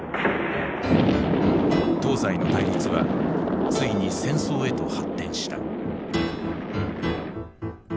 東西の対立はついに戦争へと発展した。